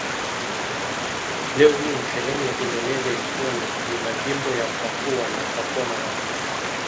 Leo hii ni sehemu ya Indonesia ikiwa ni majimbo ya Papua na Papua Magharibi.